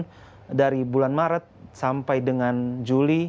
kemudian dari bulan maret sampai dengan juli